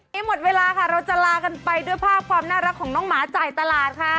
หมดเวลาค่ะเราจะลากันไปด้วยภาพความน่ารักของน้องหมาจ่ายตลาดค่ะ